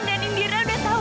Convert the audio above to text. dan indira udah tahu